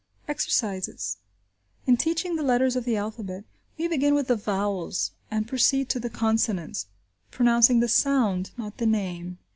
Exercises. In teaching the letters of the alphabet, we begin with the vowels and proceed to the consonants, pronouncing the sound, not the name.